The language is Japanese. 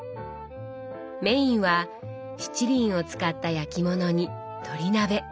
メインは七輪を使った焼き物に鳥鍋。